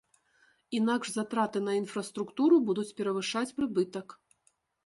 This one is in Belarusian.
Інакш затраты на інфраструктуру будуць перавышаць прыбытак.